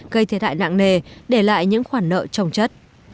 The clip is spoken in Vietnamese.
gây thiệt hại nặng nề để lại những khoản nợ trồng chất